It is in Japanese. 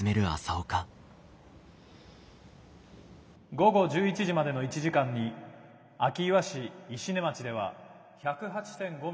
「午後１１時までの１時間に明岩市石音町では１０８．５ミリの」。